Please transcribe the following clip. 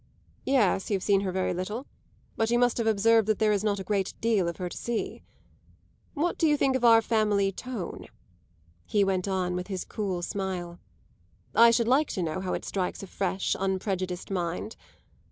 "Yes, you've seen her very little; but you must have observed that there is not a great deal of her to see. What do you think of our family tone?" he went on with his cool smile. "I should like to know how it strikes a fresh, unprejudiced mind.